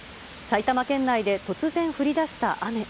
埼玉県内で突然降りだした雨。